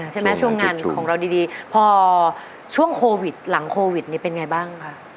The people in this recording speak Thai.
ช่วงงานของเราดีพอช่วงโควิดหลังโควิดนี่เป็นไงบ้างคะ